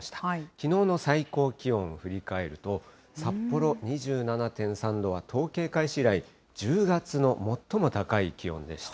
きのうの最高気温振り返ると、札幌２７．３度は、統計開始以来、１０月の最も高い気温でした。